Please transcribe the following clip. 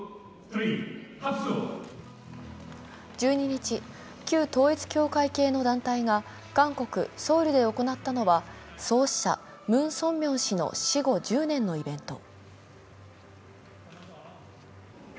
１２日、旧統一教会系の団体が韓国・ソウルで行ったのは創始者、ムン・ソンミョン氏の死後１０年のイベント。